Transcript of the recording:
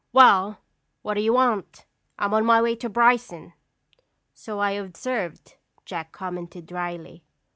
"Well, what do you want? I'm on my way to Bryson." "So I observe," Jack commented dryly.